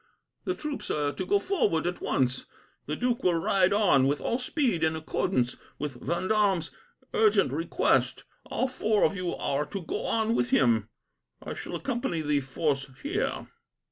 The troops are to go forward at once. The duke will ride on, with all speed, in accordance with Vendome's urgent request. All four of you are to go on with him. I shall accompany the force here.